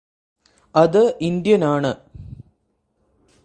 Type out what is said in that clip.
അത് ഇന്ത്യനാണ്